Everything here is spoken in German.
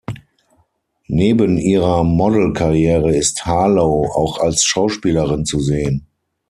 Neben ihrer Model-Karriere ist Harlow auch als Schauspielerin zu sehen.